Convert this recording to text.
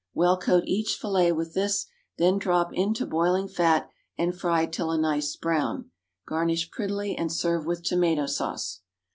Well coat each fillet with this, then drop into boiling fat, and fry till a nice brown. Garnish prettily, and serve with tomato sauce.